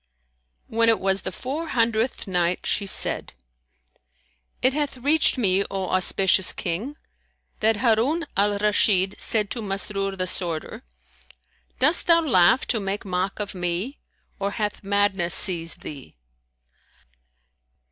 When it was the Four Hundredth Night, She said, It hath reached me, O auspicious King, that Harun al Rashid said to Masrur the Sworder, "Dost thou laugh to make mock of me or hath madness seized thee?"